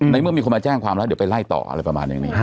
เมื่อมีคนมาแจ้งความแล้วเดี๋ยวไปไล่ต่ออะไรประมาณอย่างนี้